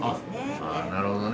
あなるほどね。